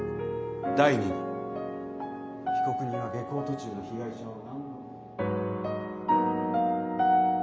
第２に被告人は下校途中の被害者を。